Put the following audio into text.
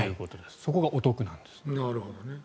そこがお得なんです。